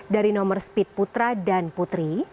dari nomor speed putra dan putri